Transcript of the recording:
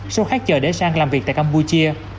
số khác chờ để sang làm việc tại campuchia